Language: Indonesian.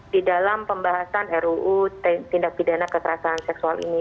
di dalam pembahasan ruu tindak pidana kekerasan seksual ini